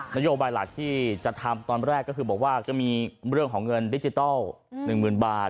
นโยบายหลักที่จะทำตอนแรกก็คือบอกว่าจะมีเรื่องของเงินดิจิทัล๑๐๐๐บาท